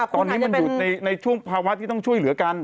ตอนนี้มันอยู่ในช่วงภาวะที่ต้องช่วยเหลือกัน